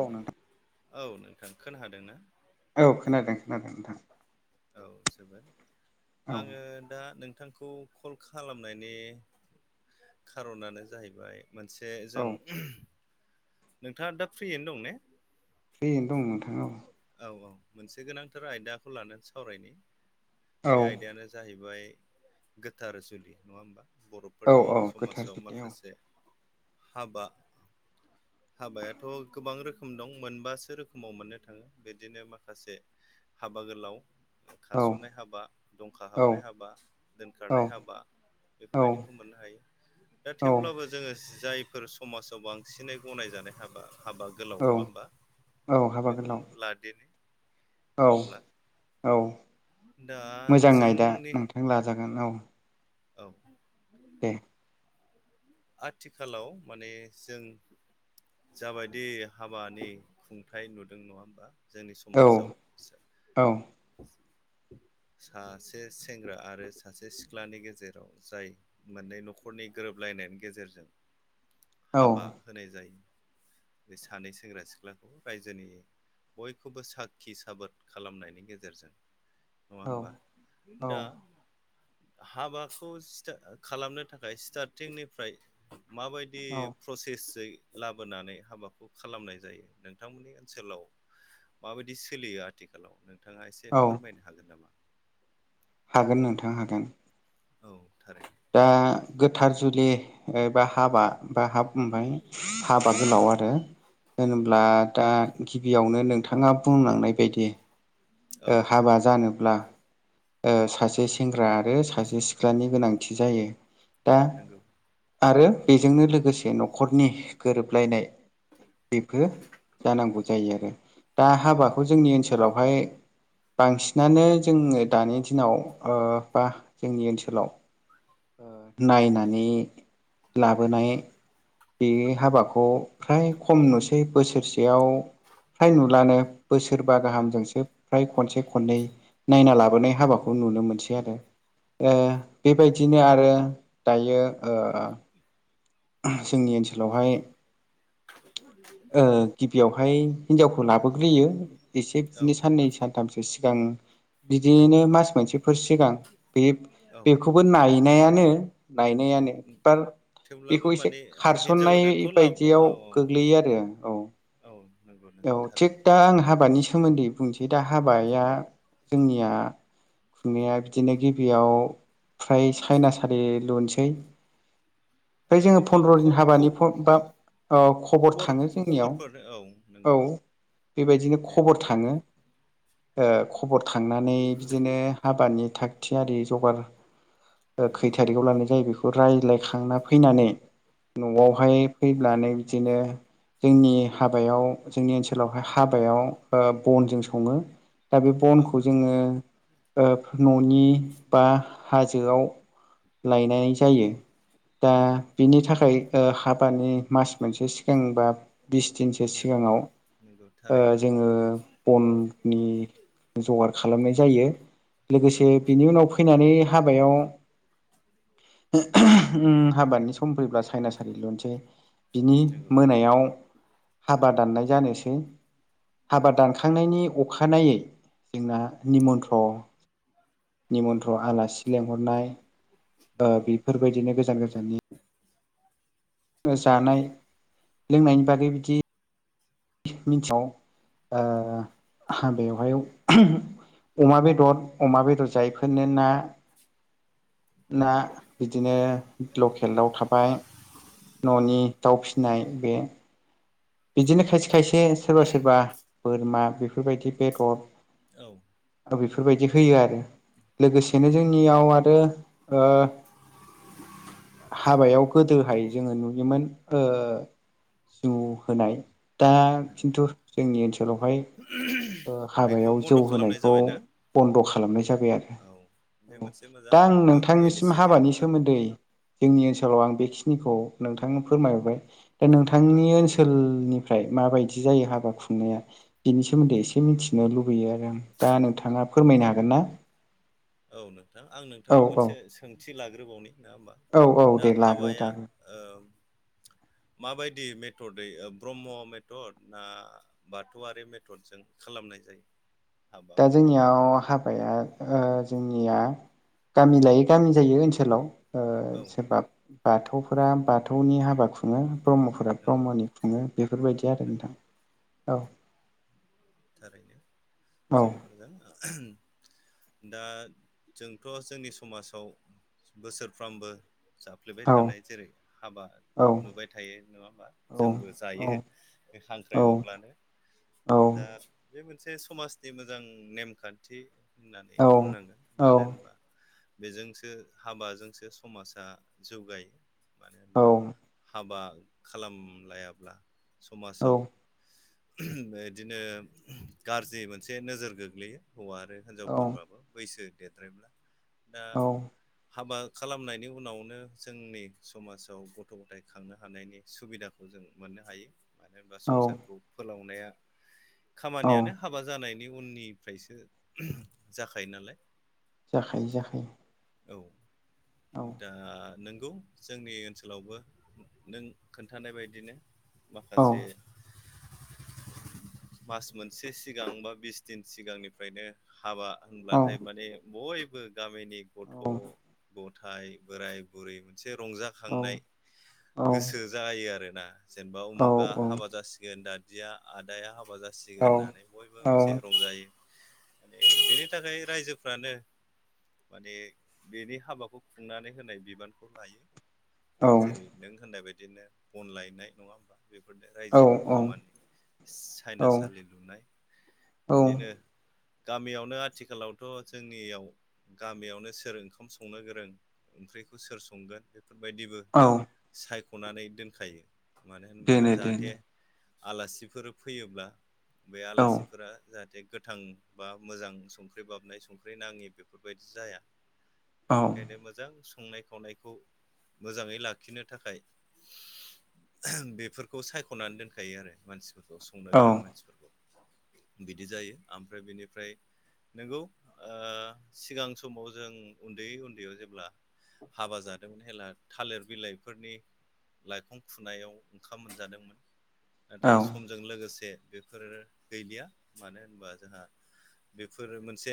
औ नोंथां खोनाहादों ना औ खोनादों खोनादों नोंथां औ जोबबाय औ आङो दा नों नोंथांखौ कल खालामनायनि खार'नानो जाहैबाय। मोनसे औ जों नोंथाङा दा फ्रियैनो दं ने? फ्रियैनो दं नोंथां औ औ औ मोनसे गोनांथार आयदाखौ लानानै सावरायनि बे औ आयदायानो जाहैबाय गोथार जुलि नङा होमबा औ बर'फोरनि औ गोथार समाजाव जुलियाव माखासे हाबा हाबायाथ' गोबां रोखोम रोखोम दं मोनबासो रोखोमाव मोननो थाङो बिदिनो माखासे हाबा गोलाव औ खारसननाय हाबा दंखा औ हाबनाय हाबा औ दोनखारनाय हाबा बेफोरबायदिखौ मोननो हायो दा औ थेवब्लाबो जोङो जायफोर समाजाव बांसिनै गनायजानाय हाबा हाबा गोलाव औ नङा होनबा औ हाबा बेखौ गोलाव [unintelligible] औ नङा होमब्ला औ दा मोजां आयदा जोंनि नोंथां लाजा गोन औ औ दे आथिखालाव माने जों जाबायदि हाबानि खुंथाय नुदों नङा होमबा जोंनि औ समाजाव औ सासे सेंग्रा आरो सासे सिख्लानि गेजे गेजेराव जाय मोननै न'खरनि गोरोबलायनायनि गेजेरजों औ हाबा होनाय जायो बे सानै सेंग्रा सिख्लाखौ रायजोनि बयखौबो साखि साबोद खालामनायनि गेजेरजों नङा औ होमबा औ दा हाबा खौ स्टा खालामनो थाखाय स्टारटिंनिफ्राय माबायदि प्रसेस जै लाबोनानै हाबाखौ खालामनाय जायो नोंथांमोननि ओनसोलाव माबायदि सोलियो आथिखालाव नोंथाङा एसे औ फोरमायनो हागोन नामा? हागोन नोंथां हागोन औ थारै दा गोथार जुलि एबा हाबा बा हाब ओमफाय हाबा गोलाव आरो होनोब्ला दा गिबियावनो नोंथाङा बुंलांनाय बायदि औ ओ हाबा जानो ब्ला ओ सासे सेंग्रा आरो सासे सिख्लानि गोनांथि जायो। दा नोंगौ आरो बेजोंनो लोगोसे न'खरनि गोरोबलायनाय बेफोर जानांगौ जायो आरो दा औ हाबाखौ नंगौ जोंनि ओनसोलावहाय बांसिनानो जोङो दानि दिनाव ओ बा जोंनि ओनसोलाव नायनानै लाबोनाय बे हाबाखौ फ्राय खम नुसै बोसोरसेयाव फ्राय औ नुलानो बोसोरबा नों गाहामजोंसो फ्राय खनसे खननै नायना लाबोनाय नंगौ हाबाखौ नुनो मोनसै आरो नंगौ ओ बेबायदिनो आरो दायो ओ जोंनि ओनसोलावहाय ओ गिबियावहाय हिनजाव खौ लाबोग्रोयो एसे औ बिदिनो साननै सानथामसो सिगां बिदिनो मास मोनसे बेफोर सिगां बे औ बेखौबो नायनायानो नायनायानो एबार थेवब्लाबो बेखौ एसे माने हिनजाव खारसन्नाय गोदानखौ लाबो औ बायदियाव गोग्लैयो आरो औ। औ नंगौ औ नंगौ थिग थारैनो दा आं हाबानि सोमोन्दै बुंनोसै दा हाबाया जोंनिया खुंनाया बिदिनो गिबियाव फ्राय सायनासालि लुनसै। ओ ओमफ्राय जोङो नोंथां फन्द्र' ख दिन हाबानि बा ख औ खबर थाङो जोंनियाव। खबरफोर औ औ नंगौ बेबायदिनो दे खबर बेदि थाङो ओ ख खबर थांनानै बिदिनो हाबानि थागथियारि जगार ओ खै नंगौ थारिखआव लानाय जायो बेखौ रायज्लायखांना फैनानै नंगौ न'आवहाय फैब्लानो बिदिनो जोंनि हाबायाव जोंनि ओनसोलावहाय हाबायाव ओ बनजों सङो। दा बे औ बनखौ जोङो ओ न'नि बा हाजोआव लायनाय जायो दा नंगौ बिनि थाखाय ओ हाबानि मास मोनसे सिगांबा बिस दिनसो सि नंगौ गाङाव नंगौ थारैनो ओ जोङो बननि जगार खालामनाय जायो। लोगोसे नंगौ बिनि उनाव फैनानै हाबायाव उम हाबादनि सम फैब्ला साइना सालि लुनोसै बिनि नंगौ मोनायाव बा दाननाय जानोसै। हाबा दानखांनायनि अखानायै जोंना निमन्थ्र औ निमन्थ्र आलासि लेंहरनाय ओ नंगौ बेफोरबायदिनो गोजान गोजाननि जानाय लोंनायनि बागै बिदि मिन्साव ओ बेवहाय अमा बेदर अमा बेदर जायैफोरनो ना ना नंगौ बिदिनो लकेल दाव थाबाय न'नि दाउ फिसिनाय बे बिदिनो खायसे खायसे सोरबा सोरबा बोरमा बेफोरबायदि बेदर औ। बेफोरबायदि होयो आरो लोगोसेनो नंगौ जोंनियाव आरो ओ हाबायाव गोदोहाय जोङो नुयोमोन ओ जौ होनाय दा नंगौ खिन्थु जोंनि ओनसोलावहाय बेखौ हाबायाव जौ बन्द' खालामनाय होनायखौ जाबायना बन्द' खालामनाय जाबाय आरो औ बे औ मोनसे मोजां दा आं नोंथांनिसिम इनिसियेटिभ हाबानि गामिनि सोमोन्दै जोंनि ओनसोलाव आं बेखिनि निखौ नोंथांनो फोरमायबाय दा नोंथांनि ओनसोलनिफ्राय माबायदि जायो हाबा खुंनाया बेनि सोमोन्दै एसे मिथिनो लुबैयो आरो आं दा नोंथाङा फोरमायनो हागोन ना? औ नोंथां आं औ नोंथांनाव औ मोनसे सोंथि लाग्रोबावनि नङा होमबा औ औ दा दे लाग्रो हाबाया लाग्रो ओ माबायदि मेथदै ब्रह्म मेथद ना बाथौआरि मेथदजों खालामो। नाय जायो। हाबा दा मन्दपाव जोंनियाव हाबाया ओ जोंनिया गामि लायै गामि जायो ओनसोलाव ओ औ सोरबा बाथौफोरा बाथौनि हाबा खुङो। ब्रह्मफोरा नंगौ ब्रह्मनि खुङो बेफोरबायदि आरो नंगौ नोंथां औ थारैनो औ जोबोद मोजां। दा जोंथ' जोंनि समाजाव बोसोरफ्रोमबो जाफ्लेबाय औ थानाय जेरै हाबा औ नुबाय थायो नङा होनबा जाखायो जोंबो जायो जाखायो बे हांख्राइ हरब्लानो बे मोनसे समाजनि मोजां नेमखान्थि होननानै औ बुंनांगोन मानो होनबा बेजोंसो हाबाजोंसो समाजा जौगायो। मानो औ होनबा हाबा खालाम लायाब्ला। समाजाव बे बिदिनो गाज्रि मोनसे नोजोर गोग्लैयो हौवा आरो औ हिनजावफोरबाबो बैसो देरद्रायब्ला दा हाबा खालामनायनि उनावनो जोंनि समाजाव गथ' गथाय खांनो हानायनि सुबिदाखौ जों मोनो नो हायो मानो होनबा संसारखौ फोलावनाया खामानियानो हाबा जानायनि उननिफ्रायसो जाखायो नालाय जाखायो जाखायो औ दा नोंगौ जोंनि ओनसोलावबो नों खोन्थानाय बायदिनो माखासे मास मोनसे सिगां बा बिस दिन सिगांनिफ्रायनो हाबा होनब्लाथाय माने बयबो गामिनि गथ' औ गथाय बोराय बुरै मोन मोनसे रंजाखांनाय गोसो जायो आरो ना। जेनबा उमुगा हाबा जासिगोन दादिया आदाया हाब बा जासिगोन होननानै बयबो मोनसे रंजायो बेनि थाखाय रायजोफ्रानो माने बेनि हाबाखौ खुंनानै होनाय बिबानखौ लायो जेरै' नों होननाय बाय बिदिनो अन लायनाय नङा होमबा बेफोरनो रायजोनि खामानि सायना औ सालि लुनाय औ बिदिनो। गामियावनो आथिखालावथ' जोंनियाव गामियावनो सोर ओंखाम संनो गोरों ओंख्रिखौ सोर संगोन बेफोरबायदिबो औ साय ख'नानै दोनखायो मानो होनबा देनो जाहाथे देनो आलासिफोर फैयोब्ला बे औ आलासिफोरा जाहाथे गोथां बा मोजां संख्रि बाबनाय संख्रि नाङि बेफोरबायदि जाया औ बेनिखायनो मोजां संनाय खावनायखौ मोजाङै लाखिनो थाखाय बेफोरखौ सायख'नानै दोनखायो आरो। मानसिफोरखौ संनो औ गोरों मानसिफोरखौ बिदि जायो ओमफ्राय बिनिफ्राय नंगौ ओ सिगां समाव जों उन्दै उन्दैयाव जेब्ला हाबा जादोंमोन हेब्ला थालिर बिलाइफोरनि लाइखं फुनायाव ओंखाम मोनजादोंमोन। औ नाथाय समजों लोगोसे बेफोरो गैलिया मानो होनबा जोंहा बेफोरो मोनसे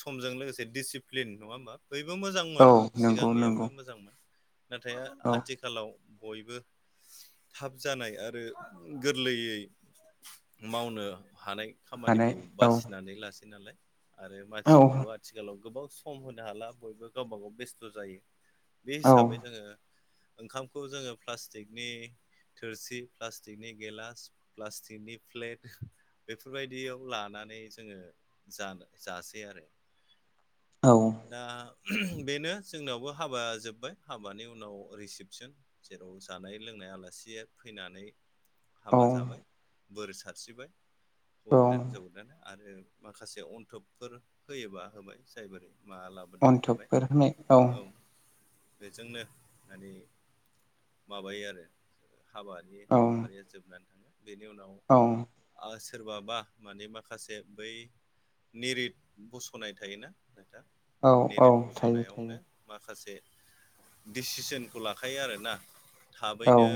समजों लोगोसे डिसिप्लिन नङा होमबा बयबो मोजांमोन औ नंगौ नंगौ सिगांनियाबो मोजांमोन नाथाय औ आथिखालाव बयबो थाब जानाय आरो गोरलैयै मावनो हानाय हानाय खामानिखौ औ बासिनानै लासै नालाय आरो। औ मानसिफोरखौ आथिखालाव गोबां सम' होनो हाला बयबो गावबा गाव बेस्थ' जायो बे औ हिसाबै जोङो ओंखामखौ जोङो प्लास्टिकनि थोरसि प्लास्टिकनि गेलास प्लास्टिकनि प्लेट बेफोरबायदियाव लाना माने जोङो जा जासै आरो औ दा बेनो जोंनावबो हाबा जोब्बाय हाबानि उनाव रिसिपसन जेराव जानाय लोंनाय बुंनाय आलासि फैनानै हाबा जाबाय औ बोर सारसिरिबाय हौवा गोदान हिनजाव गोदान आरो माखासे अन्थोबफोर होयोबा होबाय जाय बोरै मा लाबोदों होबाय बोरहोनाय औ बेजोंनो माने माबायो आरो हाबानि औ हाबाफारिया जोबनानै थाङो बेनि उनाव औ आ सोरबाबा मानि माखासे बै निरिट बसनाय थायोना नोंथां औ नेरिट थायो थायो बसनायावनो माखासे दिसिसनखौ लाखायो आरोना औ थाबैनो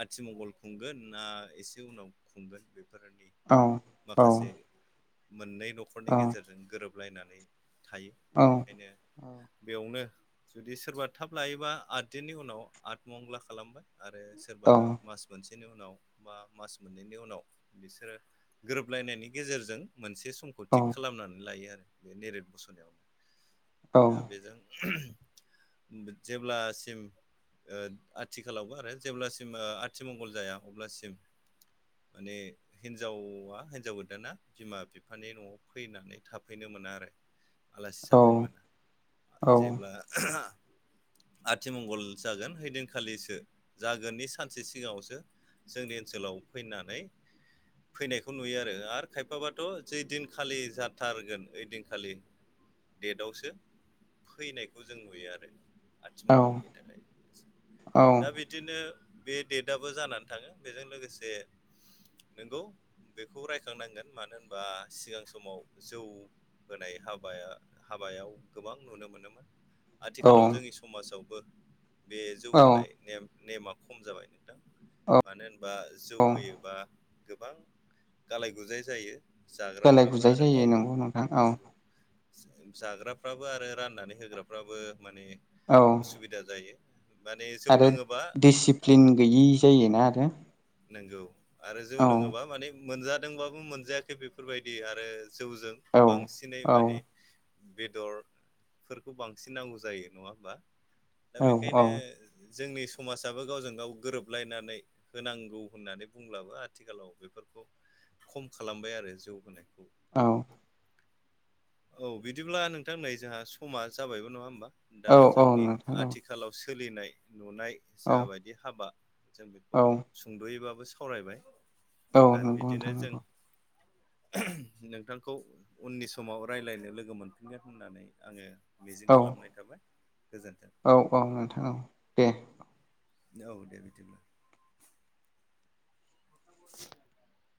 आथिमंगल खुंगोन ना एसे उनाव खुंगोन बे औ- औ! मोननै नखरनि गेजेरजों गोरोबलायनानै थायो औ बेखायनो बेयावनो जुदि सोरबा थाब लायोबा आद दिननि उनाव आथमंग्ला खालामबाय आरो सोरबा औ मास मोनसे -नि उनाव बा मास मोननैनि उनाव बिसोरो गोरोबलायनायनि गेजेरजों मोनसे समखौ थिग खालामनानै लायो आरो बे निरिद बसनायावनो दा बेजों जेब्लासिम ओ आथिखालावबो आरो जेब्लासिम ओ आथिमंगल जाया अब्लासिम माने हिनजावा हिनजाव गोदाना बिमा बिफानि नआव फैनानै थाफैनो मोना आरो आलासि जाफैनो मोना जेब्ला आथिमंगल जागोन हैदिनखालिसो जागोननि सानसे सिगाङावसो जोंनि ओनसोलाव फैनानै फैनायखौ नुयो आरो आरो खायफाबाथ जैदिनखालि जाथारगोन ओइदिनखालि डेटआवसो फैनायखौ जों नुयो आरो। औ आथिमंगलनि थाखाय दा बिदिनो बे डेटआबो जानानै थाङो बेजों लोगोसे नंगौ बेखौ रायखांनांगोन मानो होनबा सिगां समाव जौ होनाय हाबा -बाया हाबायाव गोबां नुनो मोनोमोन आथिखालाव जोंनि समाजावबो बे जौ औ होनाय नेम नेमा खम जाबाय नोंथां मानो होन -बा जौ होयोबा गोबां गालाय गुजाय जायो। गालाय जाग्राफ्राबो गुजाय आरो माव जायो नंगौ नोंथां औ। नंगौ जाग्राफ्राबो आरो राननानै होग्राफ्राबो माने औ उसुबिदा जायो। माने जौ आरो लोङोबा दिसिप्लिन गैयि जायोना आरो। नंगौ आरो जौ औ लोङोबा माने मोनजादोंबाबो मोनजायाखै बेफोरबायदि आरो जौजों बांसिनै औ माने बेदरफोरखौ बांसिन नांगौ जायो नङा होमबा दा औ बेखायनो जोंनि समाजाबो गावजों गाव गोरोबलायनानै होनां -गौ होननानै बुंब्लाबो आथिखालाव बेफोरखौ खम खालामबाय आरो जौ होनायखौ‌। औ। औ बिदिब्ला नोंथां नै जोंहा समा जाबायबो नङा होमबा। दा औ औ जोंनि नोंथां औ आथिखालाव सोलिनाय नुनाय औ जाबायदि हाबा जों औ बेखौ सुंदयैबाबो सावरायबाय औ आरो नंगौ बिदिनो नोंथां जों नंगौ। नोंथांखौ उननि समाव रायलायनो लोगो मोनफिनगोन होननानै आङो मिजिं औ खालामनाय थाबाय गोजोन्थों औ औ नोंथां औ दे औ दे बिदिब्ला [unintelligible]